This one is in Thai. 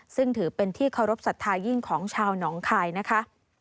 ซึ่งถือเป็นที่เคารพสัทธายิ่งของชาวหนองคายนะคะ